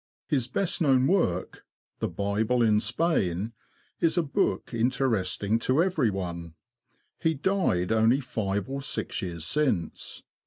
His best known work, " The Bible in Spain," is a book interesting to everyone. He died only five or six years since.